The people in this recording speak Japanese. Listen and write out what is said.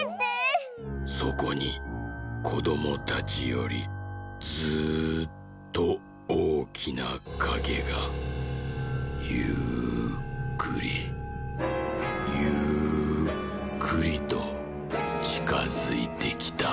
「そこにこどもたちよりずっとおおきなかげがゆっくりゆっくりとちかづいてきた」。